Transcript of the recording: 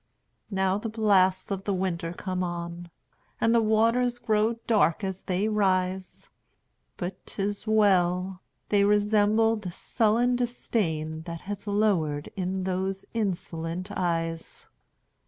Now the blasts of the winter come on, And the waters grow dark as they rise! But 't is well!—they resemble the sullen disdainThat has lowered in those insolent eyes.